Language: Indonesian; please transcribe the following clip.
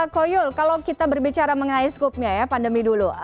nah ko yul kalau kita berbicara mengenai skopnya ya pandemi dulu